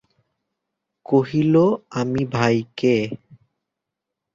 কহিল, আমি ভাই কে।